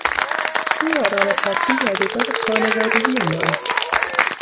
این قرآن خطی یادگار خانوادگی ما است.